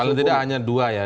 paling tidak hanya dua ya